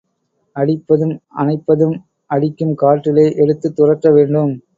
அடிப்பதும், அணைப்பதும் அடிக்கும் காற்றிலே எடுத்துத் துரற்ற வேண்டும்.